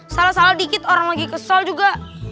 salah salah dikit orang lagi kesal juga